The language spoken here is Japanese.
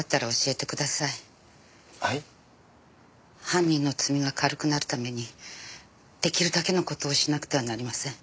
犯人の罪が軽くなるためにできるだけのことをしなくてはなりません。